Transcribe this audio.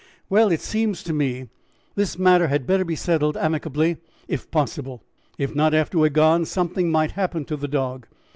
"Well, it seems to me this matter had better be settled amicably if possible; if not, after we are gone something might happen to the dog.